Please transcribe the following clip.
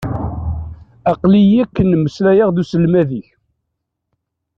Aql-iyi akken meslayeɣ d uselmad-ik.